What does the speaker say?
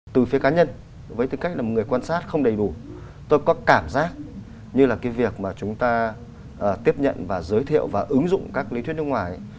từ phía cá nhân với tư cách là một người quan sát không đầy đủ tôi có cảm giác như là cái việc mà chúng ta tiếp nhận và giới thiệu và ứng dụng các lý thuyết nước ngoài